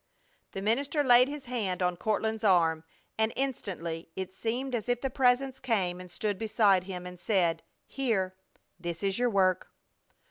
The minister laid his hand on Courtland's arm, and instantly it seemed as if the Presence came and stood beside him and said: "Here! This is your work!"